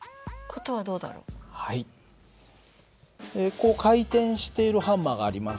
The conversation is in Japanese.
こう回転しているハンマーがあります。